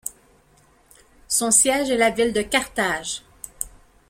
Son siège est la ville de Carthage.